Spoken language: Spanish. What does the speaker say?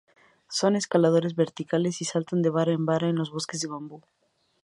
Son escaladores verticales, y saltan de vara a vara en los bosques de bambú.